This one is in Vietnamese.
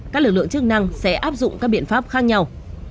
các lực lượng chức năng sẽ áp dụng các biện pháp khác nhau